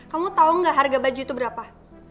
kamu tahu nggak harga baju itu berapa